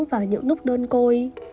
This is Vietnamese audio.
và những nút đơn côi